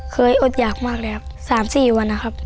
อดหยากมากเลยครับ๓๔วันนะครับ